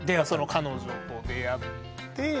彼女と出会って。